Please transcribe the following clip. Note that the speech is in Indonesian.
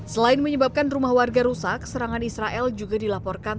selain menyebabkan rumah warga rusak serangan israel juga dilaporkan